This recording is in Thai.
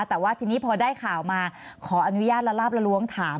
แต่ว่าทีนี้พอได้ข่าวมาขออนุญาตละลาบละล้วงถาม